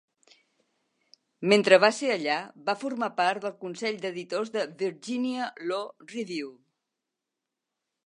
Mentre va ser allà, va formar part del consell d'editors de "Virginia Law Review".